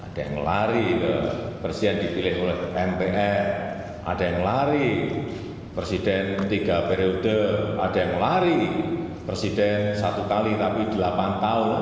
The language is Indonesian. ada yang lari ke presiden dipilih oleh mpr ada yang lari presiden tiga periode ada yang lari presiden satu kali tapi delapan tahun